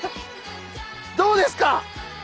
どうですか。